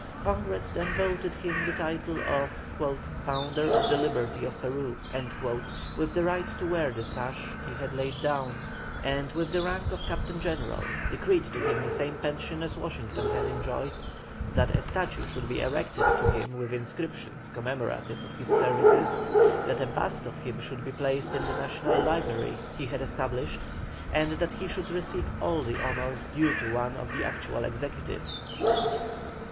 Congress then voted him the title of "Founder of the Liberty of Peru," with the right to wear the sash he had laid down, and with the rank of Captain General; decreed to him the same pension as Washington had enjoyed; that a statue should be erected to him with inscriptions commemorative of his services; that a bust of him should be placed in the National Library he had established; and that he should receive all the honours due to one of the actual executive.